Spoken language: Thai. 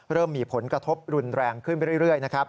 เริ่มมีผลกระทบรุนแรงขึ้นไปเรื่อยนะครับ